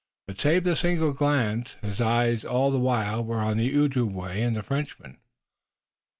But, save the single glance, his eyes all the while were for the Ojibway and the Frenchman.